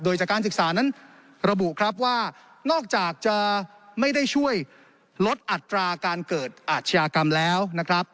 โดยจากการศึกษานั้นระบุครับว่านอกจากจะไม่ได้ช่วยลดอัตราการเกิดอาชญากรรมแล้วนะครับ